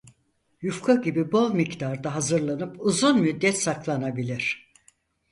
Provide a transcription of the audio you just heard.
Yufka gibi bol miktarda hazırlanıp uzun müddet saklanabilir.